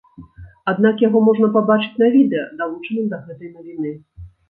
Аднак яго можна пабачыць на відэа, далучаным да гэтай навіны.